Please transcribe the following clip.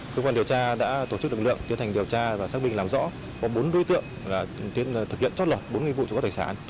cơ quan điều tra đã tổ chức lực lượng tiến hành điều tra và xác minh làm rõ có bốn đối tượng thực hiện trót lọt bốn vụ trộm cắp tài sản